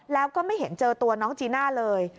แล้วก็ไม่เห็นเจอตัวน้องจีน่าเลย